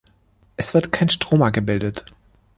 Es wird kein Stroma gebildet.